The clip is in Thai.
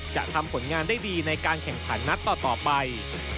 จะทำผลงานได้ดีในการแข่งขันนัดต่อไป